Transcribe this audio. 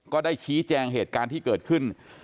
ก็ได้ชี้แจงเหตุการณ์ที่เกิดขึ้น